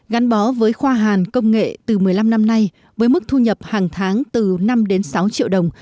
gắn bó với khoa hàn công nghệ từ một mươi năm năm nay với mức thu nhập hàng tháng từ năm đến sáu triệu đồng